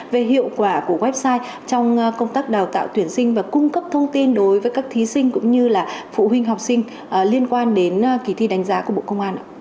về hiệu quả của website trong công tác đào tạo tuyển sinh và cung cấp thông tin đối với các thí sinh cũng như là phụ huynh học sinh liên quan đến kỳ thi đánh giá của bộ công an ạ